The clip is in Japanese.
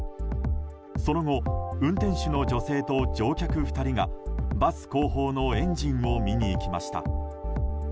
その後、運転手の女性と乗客２人がバス後方のエンジンを見に行きました。